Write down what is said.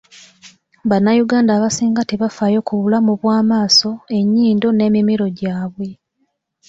Bannayuganda abasinga tebafaayo ku bulamu bw'amaaso, ennyindo n'emimiro gyabwe.